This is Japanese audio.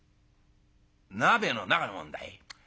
鍋の中のもんだい。